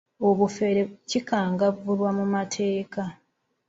Obufere kikangavvulwa mu mateeka.